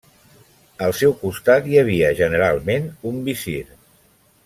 Al seu costat hi havia generalment un visir.